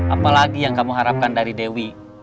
apalagi yang kamu harapkan dari dewi